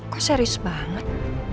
kok serius banget